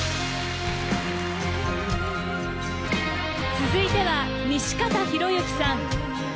続いては西方裕之さん「帰郷」。